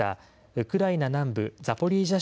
ウクライナ南部ザポリージャ